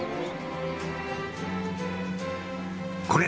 これ！